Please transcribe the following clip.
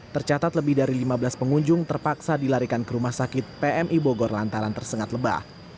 tercatat lebih dari lima belas pengunjung terpaksa dilarikan ke rumah sakit pmi bogor lantaran tersengat lebah